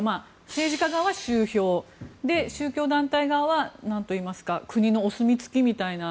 政治家側は集票宗教団体側はなんといいますか国のお墨付きみたいな。